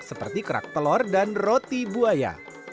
seperti kerak telur dan roti buaya